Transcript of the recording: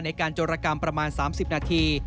โจรกรรมประมาณ๓๐นาที